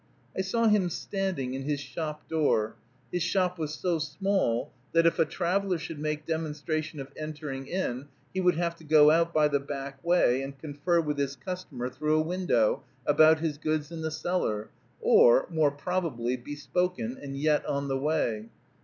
I saw him standing in his shop door, his shop was so small, that, if a traveler should make demonstrations of entering in, he would have to go out by the back way, and confer with his customer through a window, about his goods in the cellar, or, more probably, bespoken, and yet on the way.